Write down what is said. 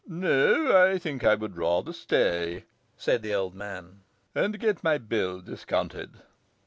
'No, I think I would rather stay,' said the old man, 'and get my bill discounted.